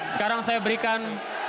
sekarang saya berikan